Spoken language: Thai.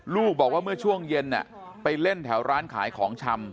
ลูกบอกว่าเมื่อช่วงเย็นไปเล่นแถวร้านขายของชำ